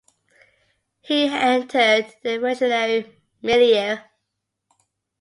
He entered the revolutionary milieu.